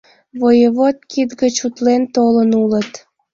Воевод кид гыч утлен толын улыт.